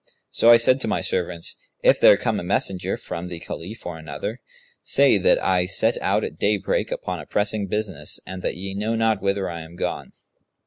So I said to my servants, 'If there come a messenger from the Caliph or another, say that I set out at day break, upon a pressing business, and that ye know not whither I am gone.'